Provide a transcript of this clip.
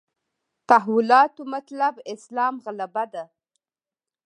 تحولاتو مطلب اسلام غلبه ده.